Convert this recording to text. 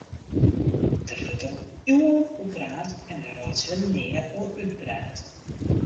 Dêr wurdt al iuwen oer praat en dêr reitsje we nea oer útpraat.